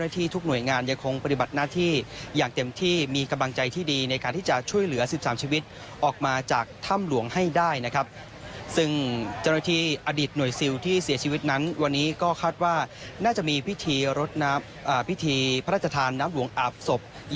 ที่ฐานทัพเรือสัตตาฮีบจชวนบุรีครับ